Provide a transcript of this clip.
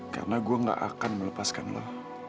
karena gue gak akan melepaskan lo